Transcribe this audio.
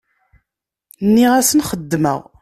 Nniɣ-asen xeddmeɣ.